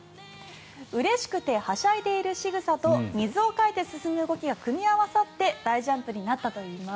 うれしくてはしゃいでいるしぐさと水をかいて進む動きが組み合わさって大ジャンプになったといいます。